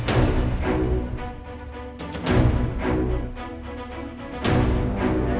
aku royalm toplones mereka semua